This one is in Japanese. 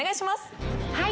はい。